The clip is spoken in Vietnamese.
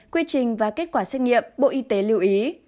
quy trình và kết quả xét nghiệm bộ y tế lưu ý